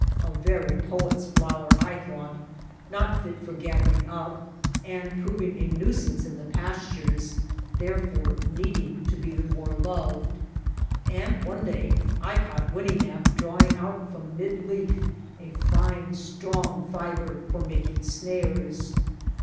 A very poet's flower, I thought; not fit for gathering up, and proving a nuisance in the pastures, there fore needing to be the more loved. And one day I caught Winnenap' drawing out from mid leaf a fine strong fibre for making snares.